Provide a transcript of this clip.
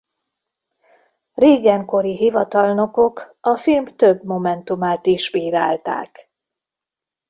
Reagan-kori hivatalnokok a film több momentumát is bírálták.